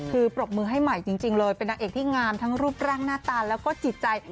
คือปรบมือให้ใหม่จริงเลยเป็นนางเอกที่งามทั้งรูปร่างหน้าตาแล้วก็จิตใจ